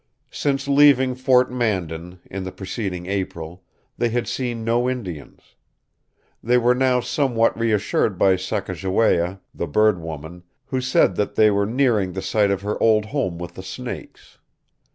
Since leaving Fort Mandan, in the preceding April, they had seen no Indians. They were now somewhat reassured by Sacajawea, the "Bird Woman," who said that they were nearing the site of her old home with the Snakes.